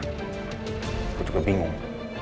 gue juga bingung